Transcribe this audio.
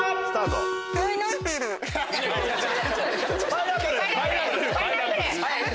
パイナップル！